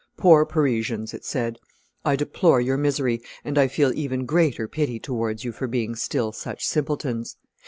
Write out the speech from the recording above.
"Poor Parisians," it said, "I deplore your misery, and I feel even greater pity towards you for being still such simpletons.